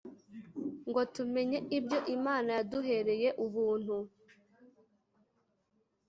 ngo tumenye ibyo Imana yaduhereye ubuntu